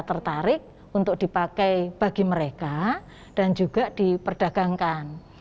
tertarik untuk dipakai bagi mereka dan juga diperdagangkan